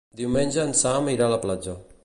Diumenge en Sam irà a la platja.